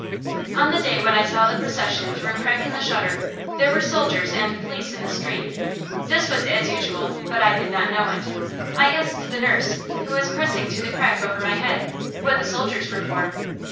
On the day when I saw the procession through a crack in the shutter, there were soldiers and police in the street. This was as usual, but I did not know it. I asked the nurse, who was pressing to the crack over my head, what the soldiers were for.